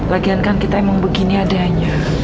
lagian kan kita emang begini adanya